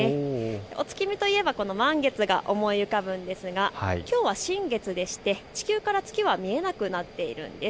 お月見といえば満月が思い浮かぶんですがきょうは新月でして地球から月が見えなくなっているんです。